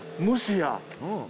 もしや。